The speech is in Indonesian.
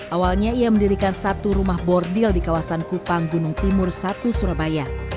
awalnya ia mendirikan satu rumah bordil di kawasan kupang gunung timur satu surabaya